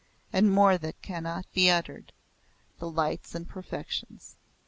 and more that cannot be uttered the Lights and Perfections.